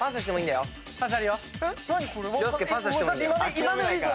諦めないから。